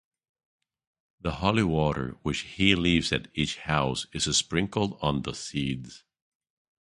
The holy water which he leaves at each house is sprinkled on the seeds.